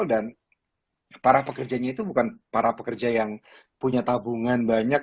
dan para pekerjanya itu bukan para pekerja yang punya tabungan banyak